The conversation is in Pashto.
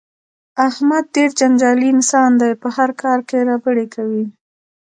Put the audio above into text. احمد ډېر جنجالي انسان دی په هر کار کې ربړې کوي.